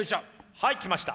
はい来ました。